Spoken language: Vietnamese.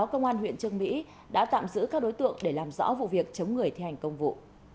công an huyện trương mỹ đã tạm giữ các đối tượng để làm rõ vụ việc chống người thi hành công vụ